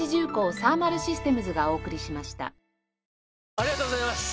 ありがとうございます！